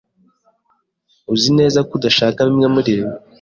Uzi neza ko udashaka bimwe muribi?